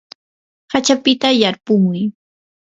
hachapita yarpumuy.